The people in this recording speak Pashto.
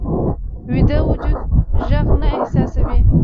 ویده وجود غږ ته حساس وي